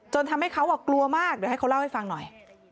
ทำให้เขากลัวมากเดี๋ยวให้เขาเล่าให้ฟังหน่อย